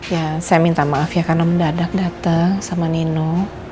ya saya minta maaf ya karena mendadak datang sama nino